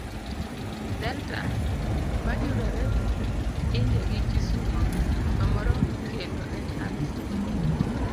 Delta mayudore India gi Kisumu, to moro kendo en Alpha.